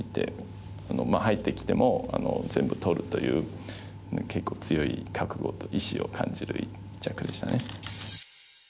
入ってきても全部取るという結構強い覚悟と意志を感じる一着でしたね。